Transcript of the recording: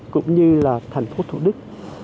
cũng như là thành phố thủ đức